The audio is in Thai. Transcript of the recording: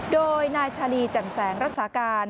โดยนายชาลีแจ่มแสงรักษาการ